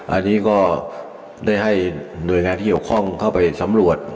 อันนี้ก็ได้ให้หน่วยงานที่เกี่ยวข้องเข้าไปสำรวจ